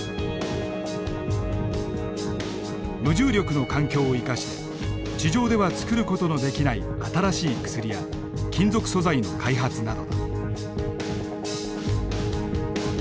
無重力の環境を生かして地上では作る事のできない新しい薬や金属素材の開発などだ。